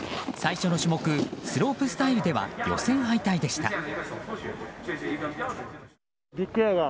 最初の種目スロープスタイルでは予選敗退でした。